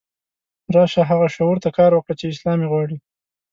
راشه هغه شعور ته کار وکړه چې اسلام یې غواړي.